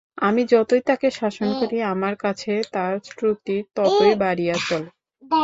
আমি যতই তাকে শাসন করি আমার কাছে তার ত্রুটি ততই বাড়িয়া চলে।